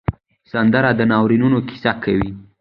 سندره د ناورینونو کیسه کوي